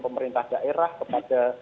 pemerintah daerah kepada